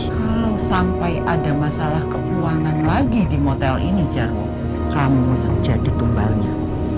kalau sampai ada masalah keuangan lagi di hotel ini jarod kamu jadi tumbalnya